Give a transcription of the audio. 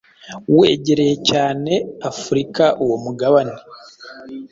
wegereye cyane Afurika uwo mugabane.